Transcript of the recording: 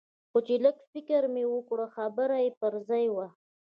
خو چې لږ فکر مې وکړ خبره يې پر ځاى وه.